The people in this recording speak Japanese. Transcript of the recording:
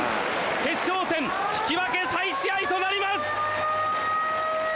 決勝戦引き分け再試合となります。